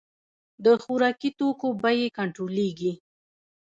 د خوراکي توکو بیې کنټرولیږي